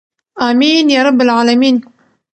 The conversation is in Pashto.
امین یا رب العالمین.